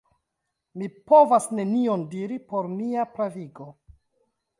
Mi povas nenion diri por mia pravigo.